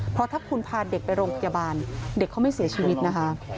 เพราะถ้าคุณพาเด็กไปโรงพยาบาลเด็กเขาไม่เสียชีวิตนะคะ